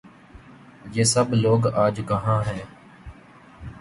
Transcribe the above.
یہ سب لوگ آج کہاں ہیں؟